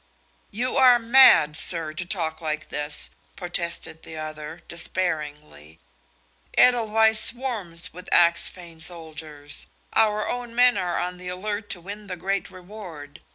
"You are mad, sir, to talk like this," protested the other, despairingly. "Edelweiss swarms with Axphain soldiers; our own men are on the alert to win the great reward.